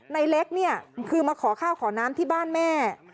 ในเล็กเนี่ยคือมาขอข้าวขอน้ำที่บ้านแม่